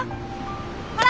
ほら